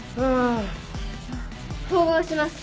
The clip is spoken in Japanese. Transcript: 縫合します